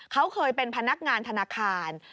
เขาเคยเป็นพนักงานธนาคาร